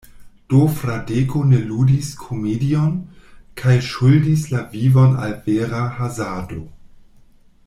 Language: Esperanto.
Do Fradeko ne ludis komedion, kaj ŝuldis la vivon al vera hazardo.